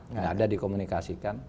nggak ada dikomunikasikan